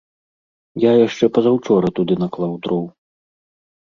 Я яшчэ пазаўчора туды наклаў дроў.